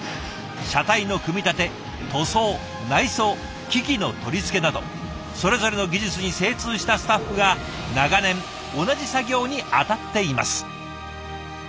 車体の組み立て塗装内装機器の取り付けなどそれぞれの技術に精通したスタッフが長年同じ作業に当たっています。